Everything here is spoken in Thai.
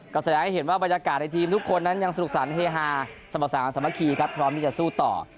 ก็แสดงให้เห็นว่าบรรยากาศในทีมทุกคนนั้นยังสนุกสันเฮฮาสมสารสามัคคีครับพร้อมที่จะสู้ต่อ